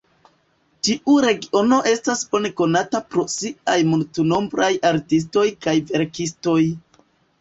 Tiu regiono estas bone konata pro siaj multnombraj artistoj kaj verkistoj.